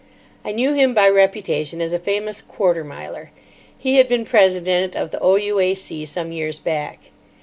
I knew him by reputation as a famous quarter miler. He had been president of the O.U.A.C. some years back.